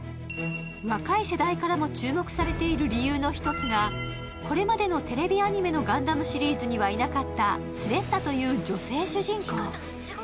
若い世代からも注目されている理由の一つが、これまでのテレビアニメの「ガンダム」シリーズにはいなかったスレッタという女性主人公。